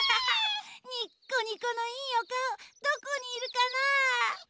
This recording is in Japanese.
ニッコニコのいいおかおどこにいるかな？